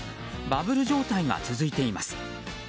バブル状態が続いています。